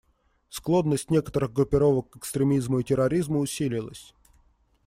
Склонность некоторых группировок к экстремизму и терроризму усилилась.